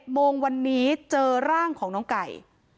โมงวันนี้เจอร่างของน้องไก่